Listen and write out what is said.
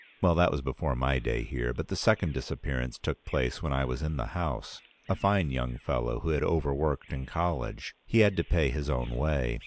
Well, that was before my day here, but the second disappearance took place when I was in the house — a fine young fellow who had overworked in college. He had to pay his own way.